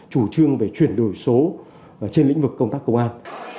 chủ trương về chuyển đổi số trên lĩnh vực công tác công an